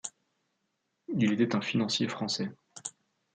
Il était un financier français.